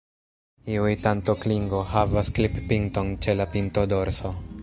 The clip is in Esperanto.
Iuj tanto-klingo havas klip-pinton ĉe la pinto-dorso.